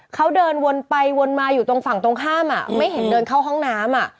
เขาเดินวนไปวนมาอยู่ตรงฝั่งตรงข้ามไม่เห็นเดินเข้าห้องน้ำ